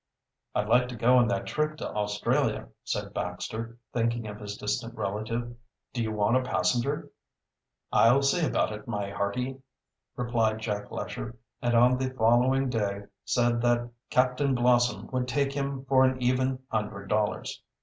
"I'd like to go on that trip to Australia," said Baxter, thinking of his distant relative. "Do you want a passenger?" "I'll see about it, my hearty," replied Jack Lesher, and on the following day said that Captain Blossom would take him for an even hundred dollars.